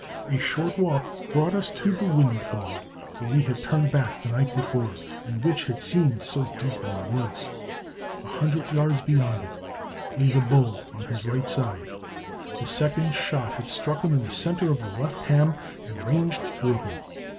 A short walk brought us to the windfall where we had turned back the night before, and which had seemed so deep in the woods. A hundred yards beyond it lay the bull on his right side. The second shot had struck him in the center of the left ham and ranged through him.